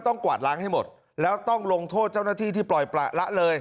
กวาดล้างให้หมดแล้วต้องลงโทษเจ้าหน้าที่ที่ปล่อยประละเลย